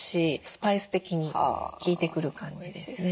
スパイス的に効いてくる感じですね。